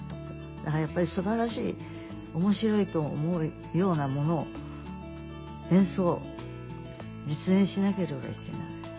だからやっぱりすばらしい面白いと思うようなものを演奏実演しなければいけない。